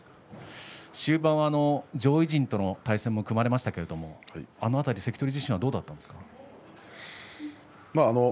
終盤は上位陣との対戦も組まれましたがあの辺り関取自身はどうだったんですか。